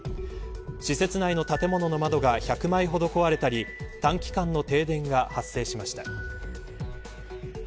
施設内の建物の窓が１００枚ほど壊れたり短期間の停電が発生しました。